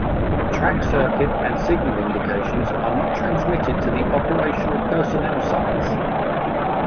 Track circuit and signal indications are not transmitted to the operational personnel sites.